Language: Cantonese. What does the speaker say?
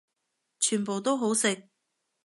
全部都好食